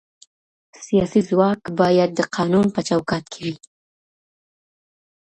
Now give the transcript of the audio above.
سياسي ځواک بايد د قانون په چوکاټ کي وي.